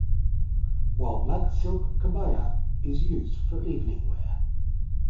While black silk kebaya is used for evening wear.